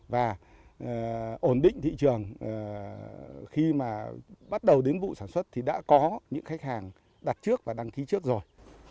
và ổn định thị trường khi mà bắt đầu đến vụ sản xuất thì đã có những khách hàng đặt trước và đăng ký trước rồi